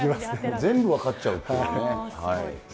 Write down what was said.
全部分かっちゃうという。